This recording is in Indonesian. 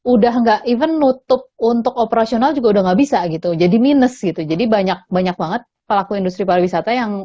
udah enggak even nutup untuk operasional juga udah nggak bisa gitu jadi minus gitu jadi banyak banyak banget pelaku industri pariwisata yang